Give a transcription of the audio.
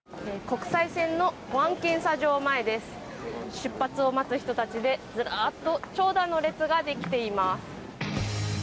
出発を待つ人たちでずらっと長蛇の列ができています。